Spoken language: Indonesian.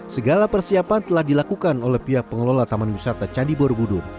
segala persiapan telah dilakukan oleh pihak pengelola taman wisata candi borobudur